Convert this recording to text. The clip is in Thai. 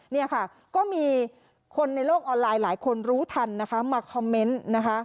เนี่ยค่ะก็มีคนในโลกออนไลน์หลายคนรู้ทันนะคะมาคอมเมนต์นะคะ